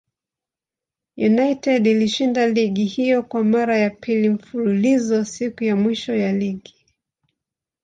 United ilishinda ligi hiyo kwa mara ya pili mfululizo siku ya mwisho ya ligi.